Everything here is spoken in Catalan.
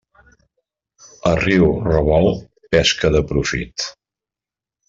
A riu revolt, pesca de profit.